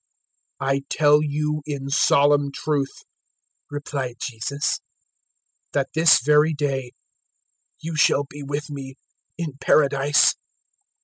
023:043 "I tell you in solemn truth," replied Jesus, "that this very day you shall be with me in Paradise."